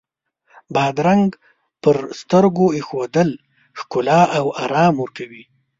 بادرنګ پر سترګو ایښودل ښکلا او آرام ورکوي.